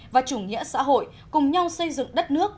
và chủ nghĩa xã hội cùng nhau xây dựng đất nước